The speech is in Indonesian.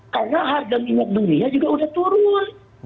karena harga minyak dunia juga sudah turun